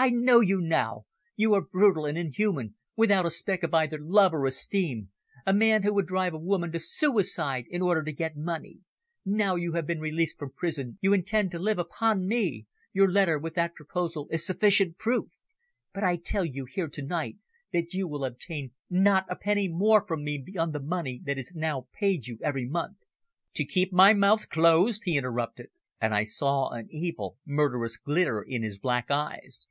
"I know you now! You are brutal and inhuman, without a speck of either love or esteem a man who would drive a woman to suicide in order to get money. Now you have been released from prison you intend to live upon me your letter with that proposal is sufficient proof. But I tell you here to night that you will obtain not a penny more from me beyond the money that is now paid you every month." "To keep my mouth closed," he interrupted. And I saw an evil, murderous glitter in his black eyes.